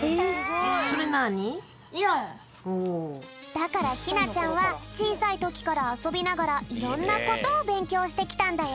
だからひなちゃんはちいさいときからあそびながらいろんなことをべんきょうしてきたんだよ。